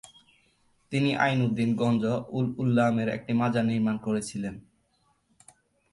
তিনি আইন-উদ্দিন গঞ্জ-উল-উল্লামের একটি মাজার নির্মাণ করেছিলেন।